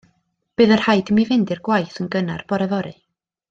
Bydd yn rhaid i mi fynd i'r gwaith yn gynnar bore fory.